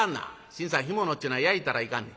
信さん干物っちゅうのは焼いたらいかんねん。